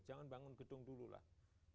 jangan bangun gedung dulu lah